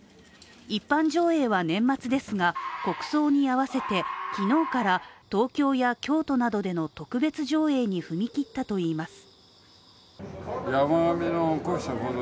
一般上映は年末ですが、国葬に合わせて、昨日から東京や京都などでの特別上映に踏み切ったといいます。